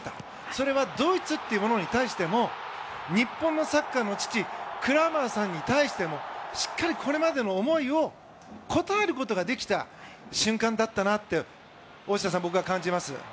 それはドイツというものに対しても日本のサッカーの父クラマーさんに対してもしっかりこれまでの思いに応えることができた瞬間だったなって大下さん、僕は感じます。